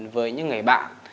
với những người bạn